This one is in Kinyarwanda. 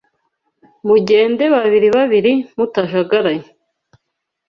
Mugende babiribabiri mutajagaraye